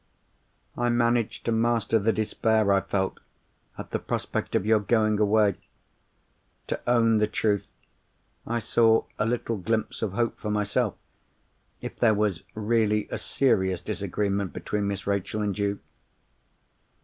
"I managed to master the despair I felt at the prospect of your going away. To own the truth, I saw a little glimpse of hope for myself if there was really a serious disagreement between Miss Rachel and you.